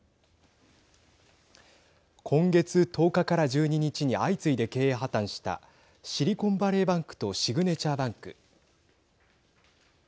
今月１０日から１２日に相次いで経営破綻したシリコンバレーバンクとシグネチャーバンク。